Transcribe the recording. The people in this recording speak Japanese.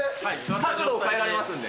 角度を変えられますんで。